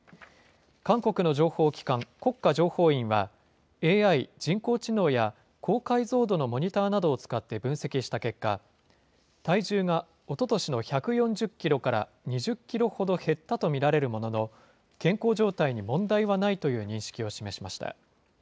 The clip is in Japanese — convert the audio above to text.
韓国の情報機関、国家情報院は、ＡＩ・人工知能や高解像度のモニターなどを使って分析した結果、体重がおととしの１４０キロから２０キロほど減ったと見られるものの、健康状態に問題はないという認識を示しました。